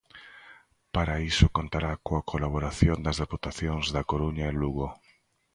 Para iso contará coa colaboración das deputacións da Coruña e Lugo.